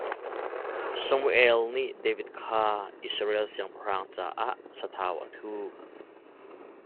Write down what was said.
Samuel nih David kha Israel siangpahrang caah sathau a thuh.